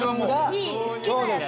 いい好きなやつ。